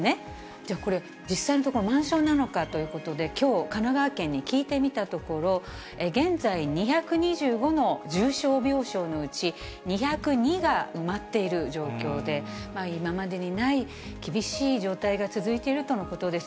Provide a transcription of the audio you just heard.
じゃあこれ、実際のところ、満床なのかということで、きょう、神奈川県に聞いてみたところ、現在２２５の重症病床のうち、２０２が埋まっている状況で、今までにない厳しい状態が続いているとのことです。